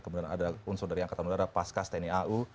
kemudian ada unsur dari angkatan udara paskas tni au